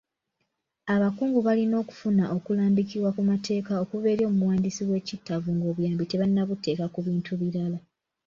Abakungu balina okufuna okulambikibwa ku mateeka okuva eri omuwandiisi w'ekittavu ng'obuyambi tebannabuteeka ku bintu birala.